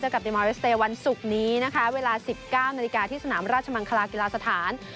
กับเดมอลเลสเตย์วันศุกร์นี้นะคะเวลา๑๙นาฬิกาที่สนามราชมังคลากีฬาสถาน